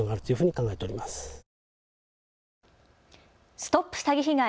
ＳＴＯＰ詐欺被害！